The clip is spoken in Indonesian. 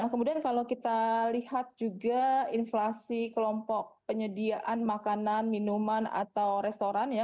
kemudian kalau kita lihat juga inflasi kelompok penyediaan makanan minuman atau restoran ya